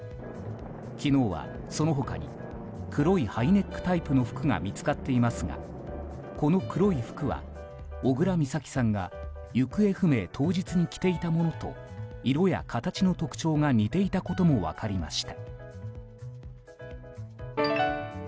昨日はその他に黒いハイネックタイプの服が見つかっていますがこの黒い服は小倉美咲さんが行方不明当日に着ていたものと色や形の特徴が似ていたことも分かりました。